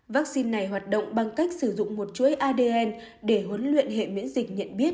vaccine này hoạt động bằng cách sử dụng một chuỗi adn để huấn luyện hệ miễn dịch nhận biết